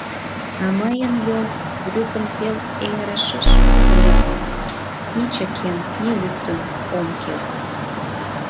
А мыйын йол брюкын пел эҥырашеш путаялтын — ни чыкен, ни луктын ом керт.